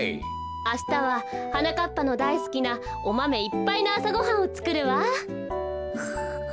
あしたははなかっぱのだいすきなおマメいっぱいのあさごはんをつくるわ。